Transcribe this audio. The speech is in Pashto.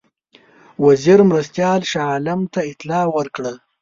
وزیر مرستیال شاه عالم ته اطلاع ورکړه.